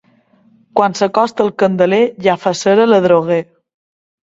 Quan s'acosta el Candeler ja fa cera l'adroguer.